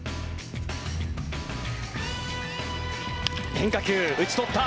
変化球、打ち取った！